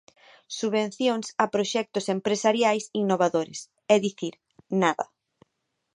Subvencións a proxectos empresariais innovadores; é dicir, nada.